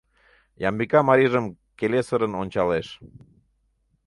Ямбика марийжым келесырын ончалеш.